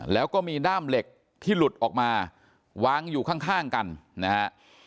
แล้วก็มีด้ามเหล็กที่หลุดออกมาวางอยู่ข้างกันนะฮะ